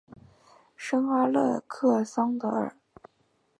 圣阿勒克桑德尔。